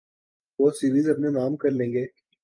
وہ سیریز اپنے نام کر لیں گے۔